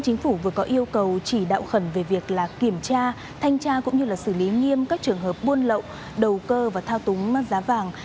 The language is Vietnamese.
chính phủ vừa có yêu cầu chỉ đạo khẩn về việc kiểm tra thanh tra cũng như xử lý nghiêm các trường hợp buôn lậu đầu cơ và thao túng giá vàng